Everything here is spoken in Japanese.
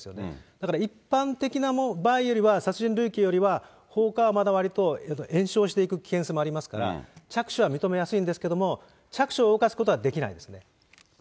だから一般的な場合よりは、殺人類型よりは、放火はまだわりと延焼していく危険性もありますから、着手は認めやすいんですけども、着手を動かすことはできないですね。